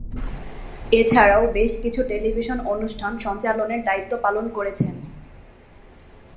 এছাড়াও বেশ কিছু টেলিভিশন অনুষ্ঠান সঞ্চালনের দায়িত্ব পালন করেছেন।